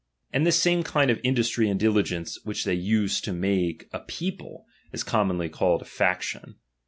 And this same kind of industry and dili geuce which they use to mahe a people, is com monly called a faction.